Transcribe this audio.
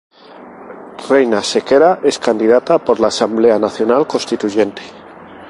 Reina Sequera es candidata por la Asamblea Nacional Constituyente